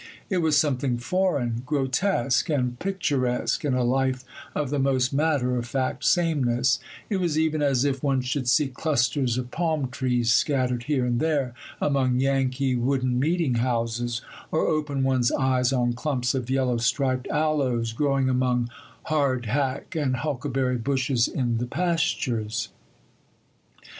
It was something foreign, grotesque, and picturesque in a life of the most matter of fact sameness: it was even as if one should see clusters of palm trees scattered here and there among Yankee wooden meeting houses, or open one's eyes on clumps of yellow striped aloes growing among hardhack and huckleberry bushes in the pastures.